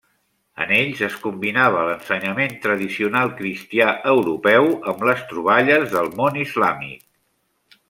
En ells es combinava l'ensenyament tradicional cristià europeu amb les troballes del món islàmic.